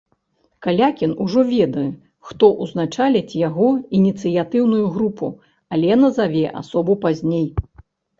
Калякін ужо ведае, хто ўзначаліць яго ініцыятыўную групу, але назаве асобу пазней.